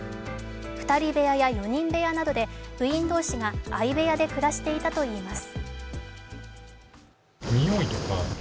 ２人部屋や、４人部屋などで、部員同士が相部屋で暮らしていたといいます。